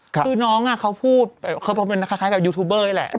คือน้องเขาพูดเขาเป็นคล้ายกับยูทูบเบอร์นี่แหละ